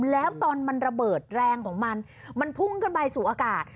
แล้วตอนมันระเบิดแรงของมันมันพุ่งขึ้นไปสู่อากาศ